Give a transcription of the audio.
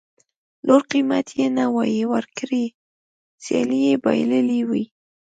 لوړ قېمت یې نه وای ورکړی سیالي یې بایللې وای.